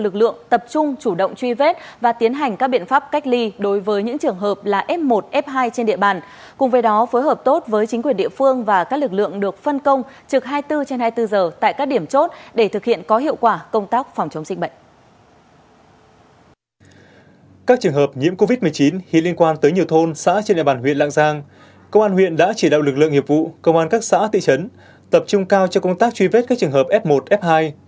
công an huyện đã chỉ đạo lực lượng hiệp vụ công an các xã thị trấn tập trung cao cho công tác truy vết các trường hợp f một f hai